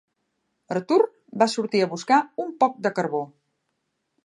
Artur va sortir a buscar un poc de carbó.